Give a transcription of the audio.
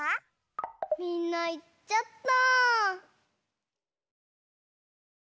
みんないっちゃった。